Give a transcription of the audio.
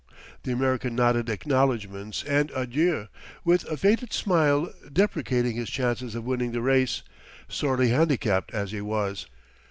The American nodded acknowledgments and adieux, with a faded smile deprecating his chances of winning the race, sorely handicapped as he was.